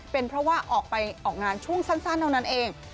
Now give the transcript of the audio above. เป็นเพราะว่าออกไปออกงานช่วงสั้นเท่านั้นเอง